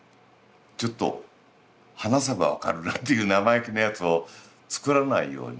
ちょっと話せば分かるなんていう生意気なやつをつくらないように。